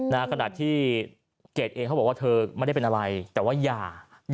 ขณะที่เกดเองเขาบอกว่าเธอไม่ได้เป็นอะไรแต่ว่าหย่า